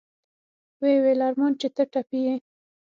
ويې ويل ارمان چې ته ټپي يې.